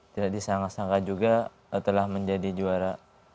tidak disangka sangka juga telah menjadi juara